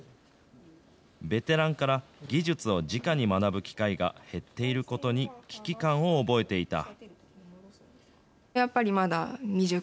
ベテランから技術をじかに学ぶ機会が減っていることに危機感を覚えていた。